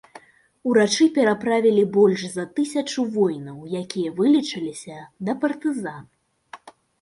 Урачы пераправілі больш за тысячу воінаў, якія вылечыліся, да партызан.